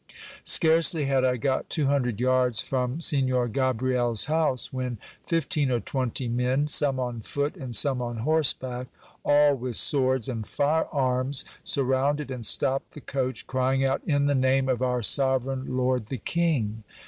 Scarcely had I got two hundred yards from Signor Gabriel's hoxise, when fifteen or twenty men, some on foot and some on horseback, all with swords and fire arms, surrounded and stopped the coach, crying out, In the name of our sovereign lord the king.